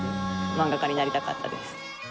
漫画家になりたかったです。